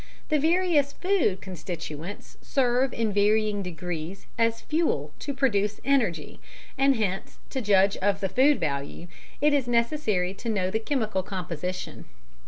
The various food constituents serve in varying degrees as fuel to produce energy, and hence to judge of the food value it is necessary to know the chemical composition.